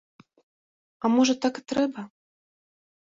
А, можа, так і трэба?